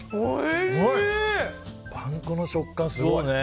パン粉の食感、すごいね。